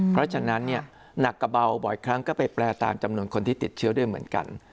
เพราะฉะนั้นหนักกระเบาบ่อยครั้งก็ไปแปลตามจำนวนคนที่ติดเชื้อด้วยเหมือนกัน